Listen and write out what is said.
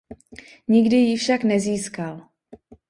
Nikdy ji však nezískal.